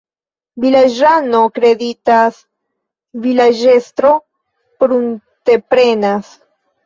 Vilaĝano kreditas, vilaĝestro prunteprenas.